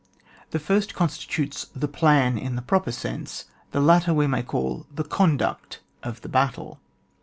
The first constitutes the Planin the proper sense, the latter we may call the Conduct (of the battle).